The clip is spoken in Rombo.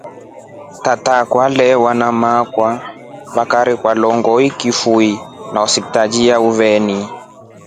Tataa alawa na maakwa vekaaa kirwa longoni kifuii na hospital ya uveni.